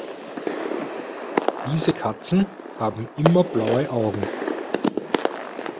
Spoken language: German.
Diese Katzen haben immer blaue Augen.